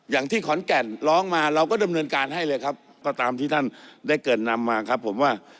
อย่างที่ขอนแก่นร้องมาเราก็ดำเนินการให้เลยครับก็ตามที่ท่านได้เกิดนำมาครับผมว่า